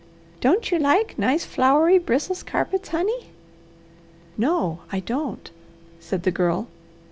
Don't you like nice, flowery Brissels carpets, honey?" "No I don't," said the Girl.